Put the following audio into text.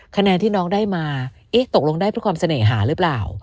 คะแนนที่น้องได้มาเอ๊ะตกลงได้เพื่อความเสน่หาหรือเปล่า